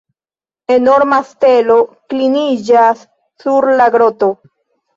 Enorma stelo kliniĝas sur la groto.